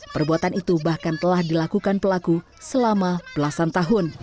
perbuatan itu bahkan telah dilakukan pelaku selama belasan tahun